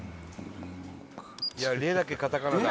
いや「レ」だけカタカナだ。